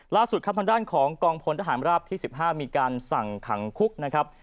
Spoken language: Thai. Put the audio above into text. ล่าสุดทางด้านของกองพลทหารราบที่๑๕มีการสั่งขังคุก